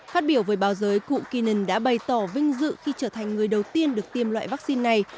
phát biểu với báo giới cụ keenan đã bày tỏ vinh dự khi trở thành người đầu tiên được tiêm loại vaccine này